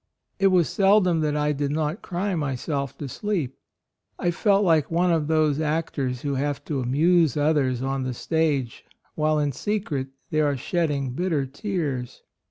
It was seldom that I did not cry myself to sleep. AND MOTHER. 17 I felt like one of those actors who have to amuse others on the stage while in secret they are shedding bitter tears."